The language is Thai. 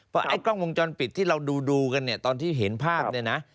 เพราะไอ้กล้องวงจรปิดที่เราดูกันเนี่ยตอนที่เห็นภาพเนี่ยนะ